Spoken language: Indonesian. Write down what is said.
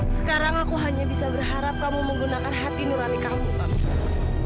sekarang aku hanya bisa berharap kamu menggunakan hati nurani kamu